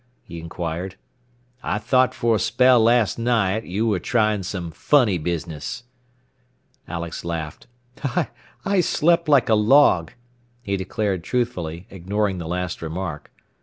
he inquired. "I thought for a spell last night you were trying some funny business." Alex laughed. "I slept like a log," he declared truthfully, ignoring the last remark.